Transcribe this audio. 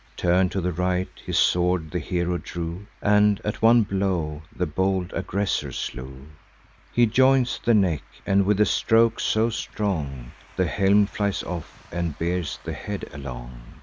Turn'd to the right, his sword the hero drew, And at one blow the bold aggressor slew. He joints the neck; and, with a stroke so strong, The helm flies off, and bears the head along.